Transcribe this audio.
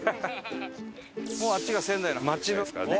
もうあっちが仙台の街ですからね。